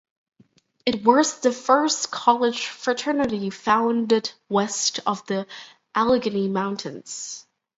It was the first college fraternity founded west of the Allegheny Mountains.